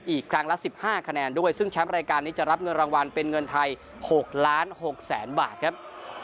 อีกครั้งละ๑๕คะแนนด้วยซึ่งแชมป์รายการนี้จะรับเงินรางวัลเป็นเงินไทย๖ล้าน๖๖แสนบาทครับ